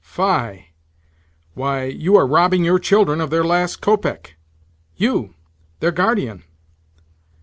Fie! Why, you are robbing your children of their last kopeck—you, their guardian!"